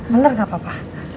bener gak apa apa